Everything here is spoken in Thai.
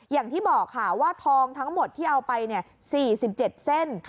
อย่างที่บอกค่ะว่าทองทั้งหมดที่เอาไป๔๗เส้น